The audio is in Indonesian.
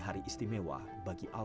tapi burat dif eben gitu kanal